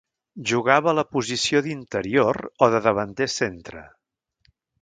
Jugava a la posició d'interior o de davanter centre.